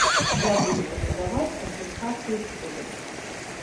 Я буду патрабаваць кампенсацыі шкоды.